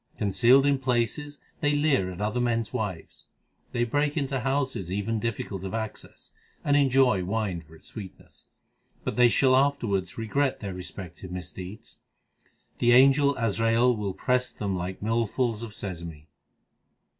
Concealed in places they leer at other men s wives. They break into houses even difficult of access, and enjoy wine for its sweetness : But they shall afterwards regret their respective mis deeds. The angel Azrail will press them like millfuls of sesame.